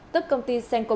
tức công ty senco một